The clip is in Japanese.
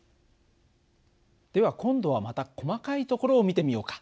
では今度はまた細かいところを見てみようか。